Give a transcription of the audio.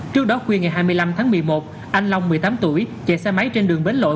trước đó khuya ngày hai mươi năm tháng một mươi một anh long một mươi tám tuổi chạy xe máy trên đường bến lội